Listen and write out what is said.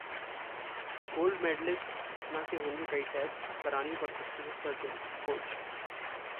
gold medalist Swapna के होंगे कई टेस्ट, करानी पड़ सकती है सर्जरी: कोच